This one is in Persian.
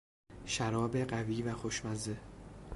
شراب قوی و خوشمزه